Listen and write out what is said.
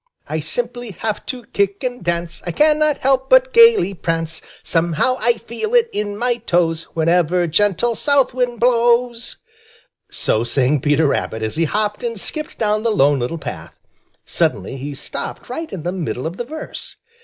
"I simply have to kick and dance! I cannot help but gaily prance! Somehow I feel it in my toes Whenever gentle South Wind blows." So sang Peter Rabbit as he hopped and skipped down the Lone Little Path. Suddenly he stopped right in the middle of the verse.